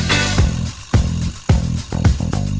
และช่องรับตลอด